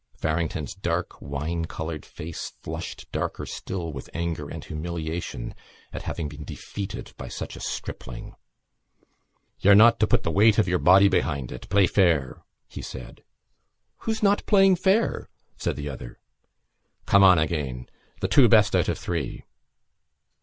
Farrington's dark wine coloured face flushed darker still with anger and humiliation at having been defeated by such a stripling. "You're not to put the weight of your body behind it. Play fair," he said. "Who's not playing fair?" said the other. "Come on again. The two best out of three."